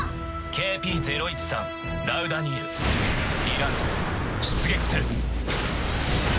ＫＰ０１３ラウダ・ニールディランザ出撃する。